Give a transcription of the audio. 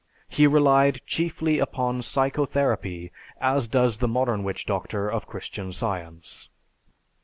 He relied chiefly upon psychotherapy as does the modern witch doctor of Christian Science.